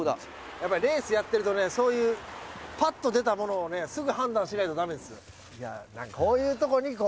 やっぱりレースやってるとそういうぱっと出たものをすぐ判断しないと駄目ですよ。